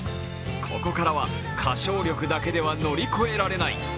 ここからは、歌唱力だけでは乗り越えられない。